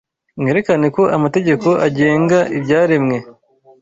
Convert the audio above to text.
Mwerekane ko amategeko agenga ibyaremwe